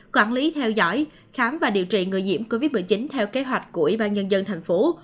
quản lý theo dõi khám và điều trị người diễm covid một mươi chín theo kế hoạch của y tế thành phố